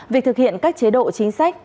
việc thực hiện các chế độ chính sách